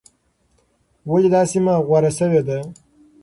ولې دا سیمه غوره شوې ده؟